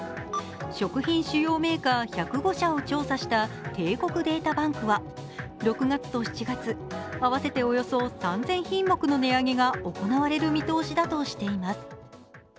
食品主要メーカー１０５社を調査した帝国データバンクは、６月と７月、合わせておよそ３０００品目の値上げが行われる見通しだとしています。